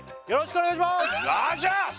よろしくお願いしますラジャー！